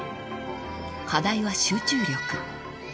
［課題は集中力］